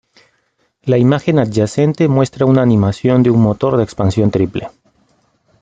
La imagen adyacente muestra una animación de un motor de expansión triple.